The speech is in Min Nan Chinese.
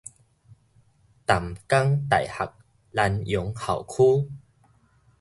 淡江大學蘭陽校區